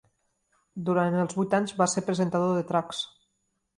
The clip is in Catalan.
Durant els vuit anys va ser el presentador de Trucks!